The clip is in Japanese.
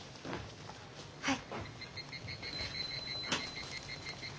はい。